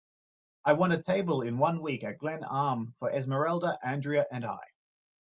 i want a table in one week at Glen Arm for esmeralda, andrea and I